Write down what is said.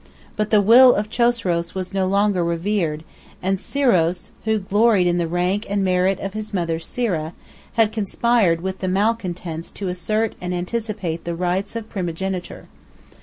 But the will of Chosroes was no longer revered, and Siroes, 1051 who gloried in the rank and merit of his mother Sira, had conspired with the malcontents to assert and anticipate the rights of primogeniture.